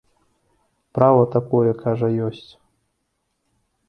Права такое, кажа, ёсць.